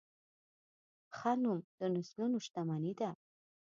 ښه نوم د نسلونو شتمني ده.